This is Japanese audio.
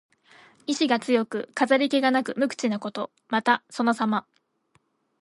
意思が強く、飾り気がなく無口なこと。また、そのさま。